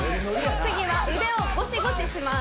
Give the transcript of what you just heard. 次は腕をゴシゴシします。